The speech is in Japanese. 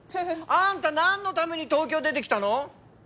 あんた何のために東京出てきたの？